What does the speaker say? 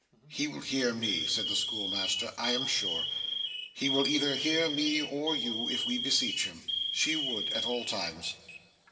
'He will hear me,' said the schoolmaster, 'I am sure. He will hear either me or you if we beseech him. She would, at all times.